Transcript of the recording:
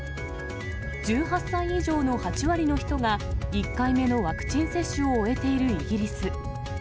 １８歳以上の８割の人が、１回目のワクチン接種を終えているイギリス。